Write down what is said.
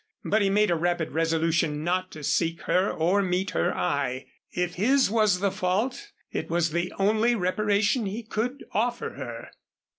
But he made a rapid resolution not to seek her or meet her eye. If his was the fault, it was the only reparation he could offer her.